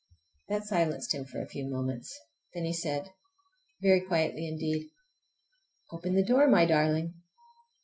That silenced him for a few moments. Then he said—very quietly indeed, "Open the door, my darling!"